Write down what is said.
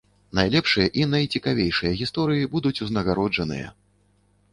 Найлепшыя і найцікавейшыя гісторыі будуць узнагароджаныя!